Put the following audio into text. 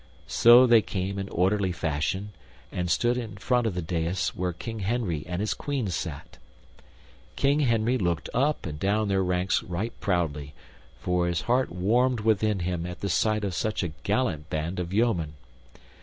So they came in orderly fashion and stood in front of the dais where King Henry and his Queen sat. King Henry looked up and down their ranks right proudly, for his heart warmed within him at the sight of such a gallant band of yeomen.